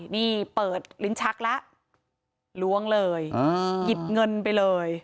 นี่เปิดลิ้นชักแล้วล้วงเลยหยิบเงินไปเลย